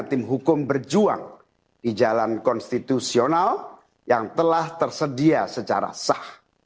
tim hukum berjuang di jalan konstitusional yang telah tersedia secara sah